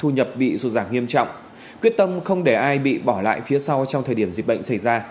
giảm nghiêm trọng quyết tâm không để ai bị bỏ lại phía sau trong thời điểm dịch bệnh xảy ra